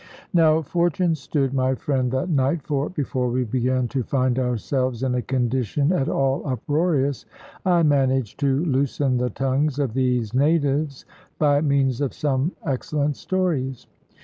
Now fortune stood my friend that night, for before we began to find ourselves in a condition at all uproarious, I managed to loosen the tongues of these natives by means of some excellent stories.